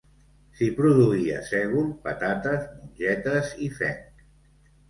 S'hi produïa sègol, patates, mongetes i fenc.